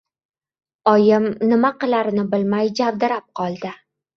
Oyim nima qilarini bilmay, javdirab qoldi.